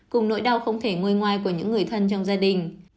cùng nỗi đau không thể ngôi ngoài của những người thân trong gia đình